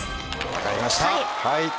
分かりました。